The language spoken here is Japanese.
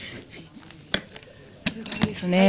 すごいですね。